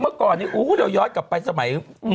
เมื่อก่อนนี้โอ้โหเดี๋ยวยอดกลับไปสมัย